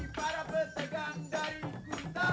masih tidak ada tuan